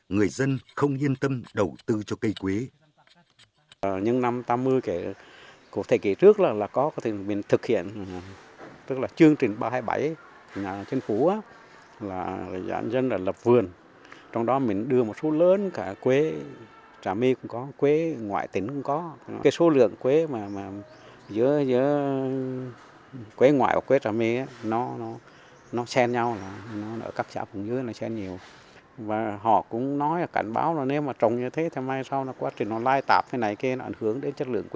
người dân không yên tâm đầu tư cho cây quế